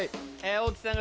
大木さんが？